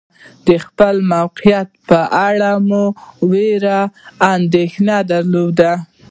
د خپل موقعیت په اړه مو وېره او اندېښنه درلوده.